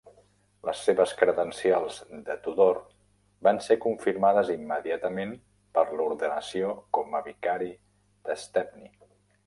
Les seves credencials de Tudor van ser confirmades immediatament per l'ordenació com a vicari de Stepney.